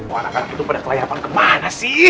wah anak anak itu pada kelayakan kemana sih